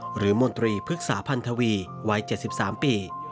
มนตรีภึกษาพันธวีวัย๗๓ปี